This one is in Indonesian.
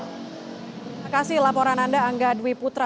terima kasih laporan anda angga dwi putra